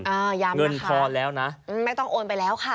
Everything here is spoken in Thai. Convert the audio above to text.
ย้ำนะคะไม่ต้องโอนไปแล้วค่ะเงินพอแล้วนะ